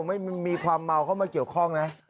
ไม่มีความเมาเข้ามาเกี่ยวข้องนะ